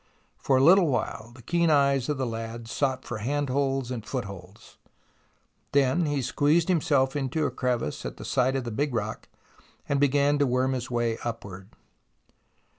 For a little while the keen eyes of the lad sought for handholds and footholds ; then he squeezed himself into a crevice at the side of the big rock and began to worm his way upward.